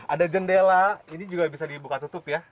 ada jendela ini juga bisa dibuka tutup ya